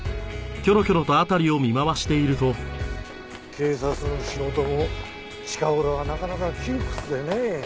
警察の仕事も近頃はなかなか窮屈でね。